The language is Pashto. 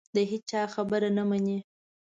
د هېچا خبره نه مني